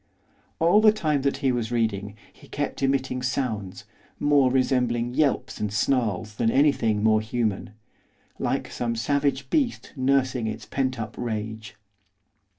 All the time that he was reading he kept emitting sounds, more resembling yelps and snarls than anything more human, like some savage beast nursing its pent up rage.